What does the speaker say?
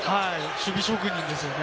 守備職人ですよね。